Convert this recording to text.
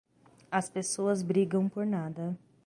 As pessoas brigam por nada.